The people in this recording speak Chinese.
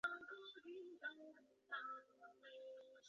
求其上